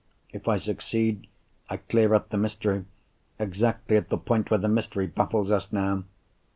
If I succeed, I clear up the mystery, exactly at the point where the mystery baffles us now!